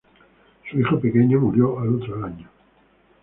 Su hijo pequeño murió al otro año.